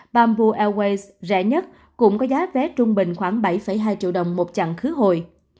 bamboo airways rẻ nhất cũng có giá vé trung bình khoảng bảy hai triệu đồng một chặng khứ hồi